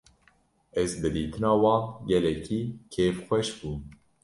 Ez bi dîtina wan gelekî kêfxweş bûm.